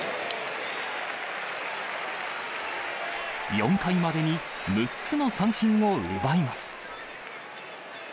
４回までに６つの三振を奪います。